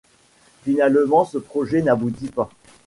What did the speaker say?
Finalement ce projet n'aboutit pas.